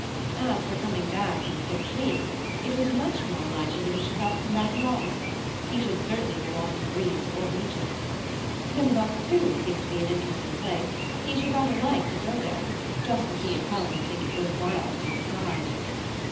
As for coming back in six weeks, it was much more likely that he should not come back at all: he should certainly go on to Greece or Egypt Timbuctoo seemed to be an hiteresting place ; he should rather like to go there, just to see if Helen would think it worth while to be sur prised.